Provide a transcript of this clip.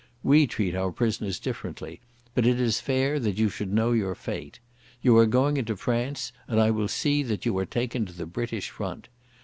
We treat our prisoners differently, but it is fair that you should know your fate. You are going into France, and I will see that you are taken to the British front.